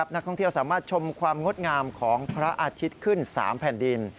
นักท่องเที่ยวสามารถชมความงดงามของพระอาทิตย์ขึ้น๓แผ่นดิน